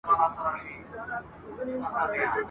دوهم دا چي څوک آفت وي د دوستانو ..